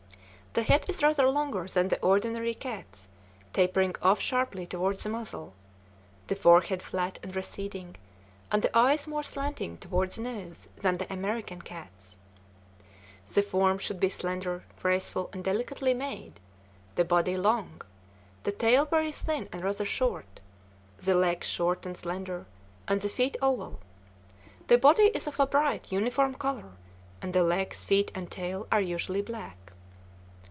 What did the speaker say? The head is rather longer than the ordinary cat's, tapering off sharply toward the muzzle, the forehead flat and receding, and the eyes more slanting toward the nose than the American cat's. The form should be slender, graceful, and delicately made; the body long; the tail very thin and rather short; the legs short and slender, and the feet oval. The body is of a bright, uniform color, and the legs, feet, and tail are usually black.